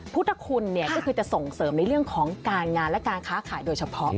พุทธคุณเนี่ยก็คือจะส่งเสริมในเรื่องของการงานและการค้าขายโดยเฉพาะ